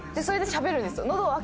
それでしゃべるんですよ。